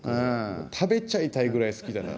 食べちゃいたいぐらい好きだなんて。